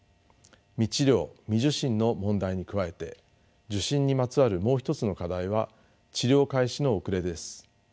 未治療未受診の問題に加えて受診にまつわるもう一つの課題は治療開始の遅れです。